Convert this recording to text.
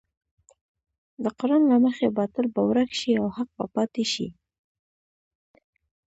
د قران له مخې باطل به ورک شي او حق به پاتې شي.